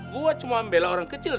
gue cuma membela orang kecil